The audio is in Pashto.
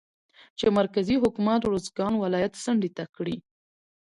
چې مرکزي حکومت روزګان ولايت څنډې ته کړى